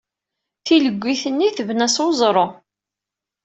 Tileggit-nni tebna s weẓru.